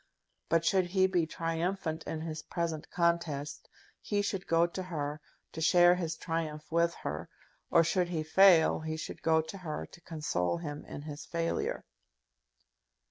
But should he be triumphant in his present contest, he should go to her to share his triumph with her; or, should he fail, he should go to her to console him in his failure.